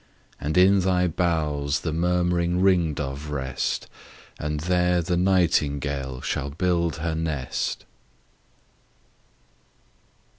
And in thy boughs the murmuring Ring dove rest; And there the Nightingale shall build her nest.